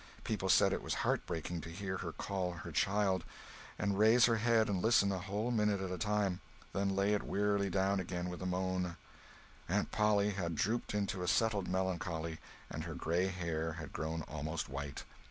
People said it was heartbreaking to hear her call her child, and raise her head and listen a whole minute at a time, then lay it wearily down again with a moan. Aunt Polly had drooped into a settled melancholy, and her gray hair had grown almost white.